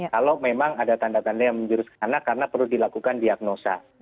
kalau memang ada tanda tanda yang menjuruskan anak karena perlu dilakukan diagnosa